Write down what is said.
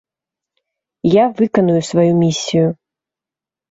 Я выканаю сваю місію.